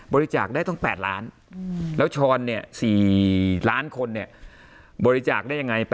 บริจาคได้ต้อง๘ล้านแล้วชรเนี่ย๔ล้านคนเนี่ยบริจาคได้ยังไง